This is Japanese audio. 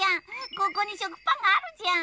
ここにしょくパンがあるじゃん。